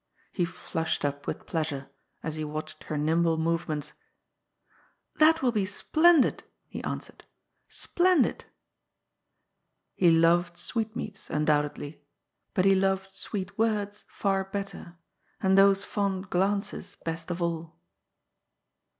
He flushed up with pleasure, as he watched her nimble movements, " That will be splendid I he answered —" splendid !" He loved sweetmeats, undoubt edly, but he loved sweet words far better, and those fond glances best of all.